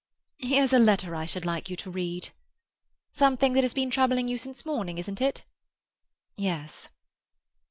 "Here's a letter I should like you to read." "Something that has been troubling you since morning, isn't it?" "Yes."